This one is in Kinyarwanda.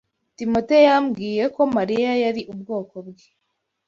Timote yambwiye ko Mariya yari ubwoko bwe. (CM)